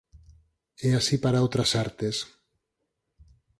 E así para outras artes.